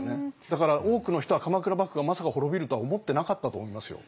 だから多くの人は鎌倉幕府がまさか滅びるとは思ってなかったと思いますよ。